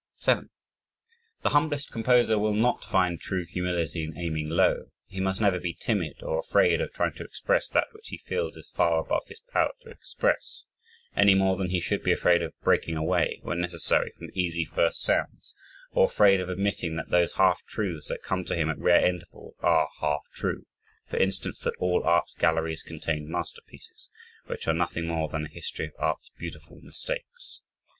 7 The humblest composer will not find true humility in aiming low he must never be timid or afraid of trying to express that which he feels is far above his power to express, any more than he should be afraid of breaking away, when necessary, from easy first sounds, or afraid of admitting that those half truths that come to him at rare intervals, are half true, for instance, that all art galleries contain masterpieces, which are nothing more than a history of art's beautiful mistakes.